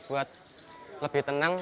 buat lebih tenang